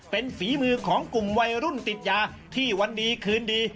เป็นฝีมือของกลุ่มวัยรุ่นติดยาที่วันดีคืนดี